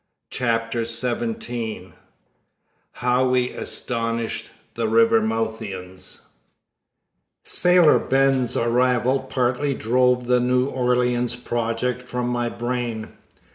Chapter Seventeen How We Astonished the Rivermouthians Sailor Ben's arrival partly drove the New Orleans project from my brain.